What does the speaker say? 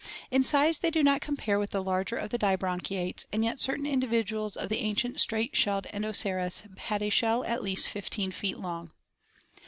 In size they do not compare with the larger of the di branchiates, and yet certain individuals of the an cient straight shelled Endoceras had a shell at least 15 feet long.